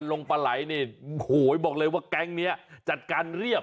ปลาไหลนี่โหยบอกเลยว่าแก๊งนี้จัดการเรียบ